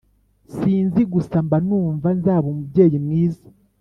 sinzi gusa mba numva nzaba umubyeyi mwiza